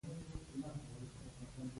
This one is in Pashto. د زړه ناروغي